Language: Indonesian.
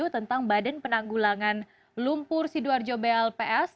tentang badan penanggulangan lumpur sidoarjo blps